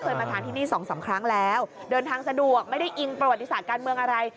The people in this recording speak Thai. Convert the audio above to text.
มาทานที่นี่สองสามครั้งแล้วเดินทางสะดวกไม่ได้อิงประวัติศาสตร์การเมืองอะไร